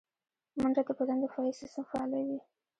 منډه د بدن دفاعي سیستم فعالوي